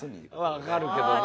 わかるけどね。